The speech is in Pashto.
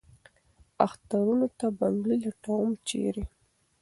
اخترونو ته بنګړي لټوم ، چېرې ؟